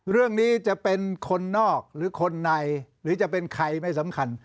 เรื่องนี้จะเป็นคนนอกหรือคนในหรือจะเป็นใครไม่สำคัญ